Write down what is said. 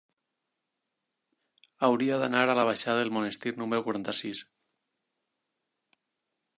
Hauria d'anar a la baixada del Monestir número quaranta-sis.